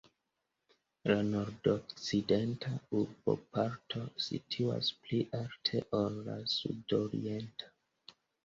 La nordokcidenta urboparto situas pli alte ol la sudorienta.